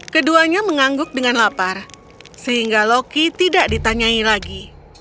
keduanya mengangguk dengan lapar sehingga loki tidak ditanyai lagi